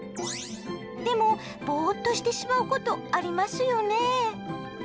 でもボーっとしてしまうことありますよね？